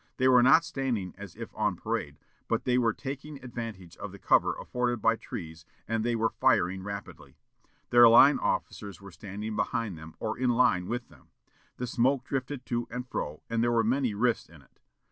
They were not standing as if on parade, but they were taking advantage of the cover afforded by trees, and they were firing rapidly. Their line officers were standing behind them or in line with them. The smoke drifted to and fro, and there were many rifts in it....